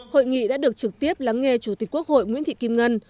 hội nghị đã được trực tiếp lắng nghe chủ tịch quốc hội nguyễn thị kim ngân